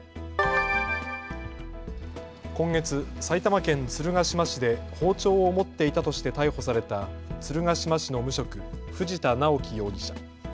今月、埼玉県鶴ヶ島市で包丁を持っていたとして逮捕された鶴ヶ島市の無職、藤田直樹容疑者。